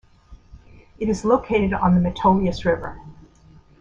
It is located on the Metolius River.